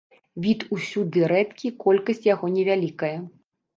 Від усюды рэдкі, колькасць яго невялікая.